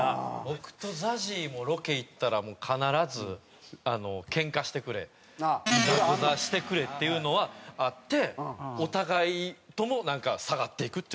僕とＺＡＺＹもロケ行ったらもう必ず「ケンカしてくれ」「いざこざしてくれ」っていうのはあってお互いとも下がっていくっていうのめっちゃありますね。